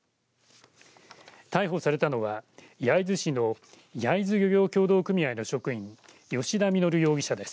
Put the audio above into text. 逮捕されたのは焼津市の焼津漁業協同組合の職員吉田稔容疑者です。